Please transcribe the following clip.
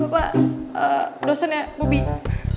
bapak dosennya bobby